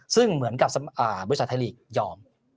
ซึ่งเหมือนกับบริษัทไทยลีกยอม